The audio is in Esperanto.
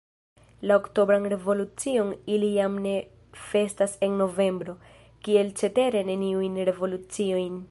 La oktobran revolucion ili jam ne festas en novembro, kiel cetere neniujn revoluciojn.